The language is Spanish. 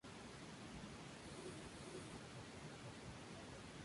La principal actividad es la agricultura y la vendimia.